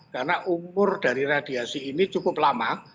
karena umur dari radiasi ini cukup lama